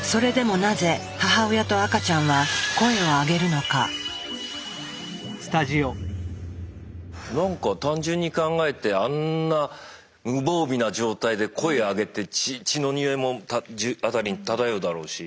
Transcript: なんか単純に考えてあんな無防備な状態で声上げて血の匂いも辺りに漂うだろうし。